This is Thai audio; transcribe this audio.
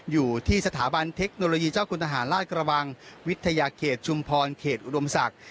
อยู่ที่สถาบันเทคโนโลยีเจ้าคุณทหารราชกระบังวิทยาเขตชุมพรเขตอุดมศักดิ์